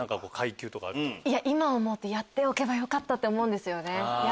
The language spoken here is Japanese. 今思うとやっておけばよかったって思うんですよね。